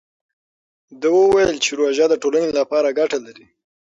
ده وویل چې روژه د ټولنې لپاره ګټه لري.